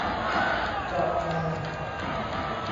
เปราะบาง